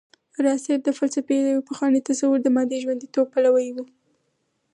راز صيب د فلسفې د يو پخواني تصور د مادې ژونديتوب پلوی و